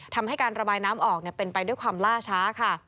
ทำให้การระบายน้ำออกเป็นไปด้วยความล่าช้าค่ะ